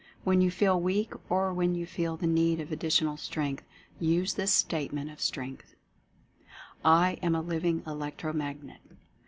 When you feel weak, or when you feel the need of additional Strength, use this Statement of Strength: "I AM A LIVING ELECTRO MAGNET."